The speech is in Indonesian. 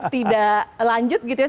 tidak lanjut gitu ya